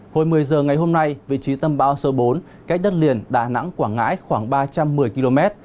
hồi một mươi giờ ngày hôm nay vị trí tâm bão số bốn cách đất liền đà nẵng quảng ngãi khoảng ba trăm một mươi km